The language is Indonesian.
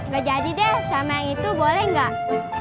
gak jadi deh sama yang itu boleh gak